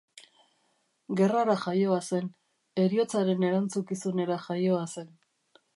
Gerrara jaioa zen, heriotzaren erantzukizunera jaioa zen.